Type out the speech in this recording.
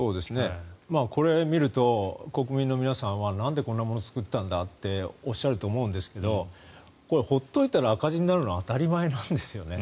これを見ると国民の皆さんはなんでこんなものを作ったんだとおっしゃると思うんですがこれ、放っておいたら赤字になるのは当たり前なんですね。